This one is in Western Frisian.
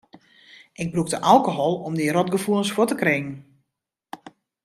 Ik brûkte alkohol om dy rotgefoelens fuort te kringen.